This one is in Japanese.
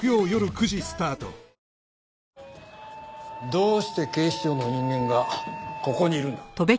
どうして警視庁の人間がここにいるんだ？